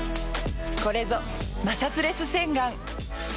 これぞまさつレス洗顔！